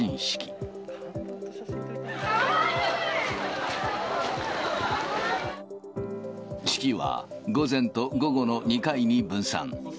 式は午前と午後の２回に分散。